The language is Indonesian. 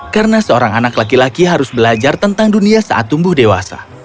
karena seorang anak laki laki harus belajar tentang dunia saat tumbuh dewasa